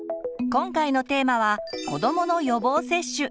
今回のテーマは「子どもの予防接種」。